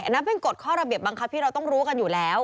นั่นเป็นกฎข้อระเบียบบังคับที่เราต้องรู้กันอยู่แล้ว